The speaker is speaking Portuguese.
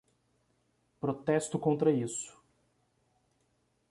Protesto contra isso!